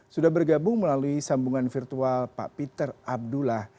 sudah bergabung melalui sambungan virtual pak peter abdullah